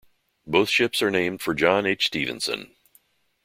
Both ships are named for John H. Stevenson.